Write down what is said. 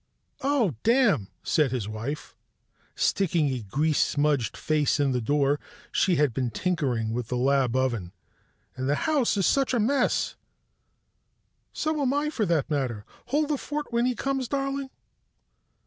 "Oh, damn!" said his wife, sticking a grease smudged face in the door. She had been tinkering with the lab oven. "And the house in such a mess! So am I, for that matter. Hold the fort when he comes, darling."